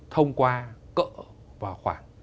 thông qua cỡ vào khoảng